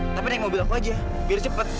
tapi naik mobil aku aja biar cepet